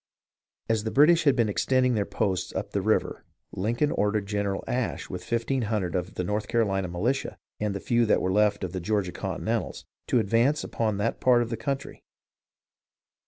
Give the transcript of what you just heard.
As the British had been extending their posts up the river, Lincoln ordered General Ashe with fifteen hundred of the North Carolina militia, and the few that were left of the Georgia Continentals, to advance upon that part of the country.